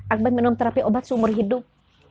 akbar minum terapi obat seumur hidup